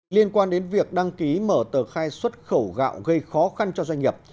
liên quan đến việc đăng ký mở tờ khai xuất khẩu gạo gây khó khăn cho doanh nghiệp